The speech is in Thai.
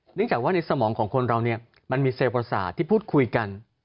เนื่องจากว่าในสมองของคนเราเนี่ยมันมีเซลลประสาทที่พูดคุยกัน